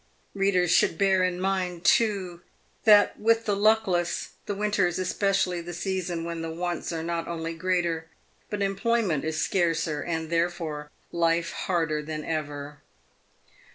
Readers should bear in mind, too, that with the luckless, the winter is especially the season when the wants are not only greater, but employment is scarcer, and, therefore, life harder than ever.